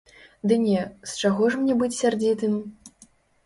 Ды не, з чаго ж мне быць сярдзітым?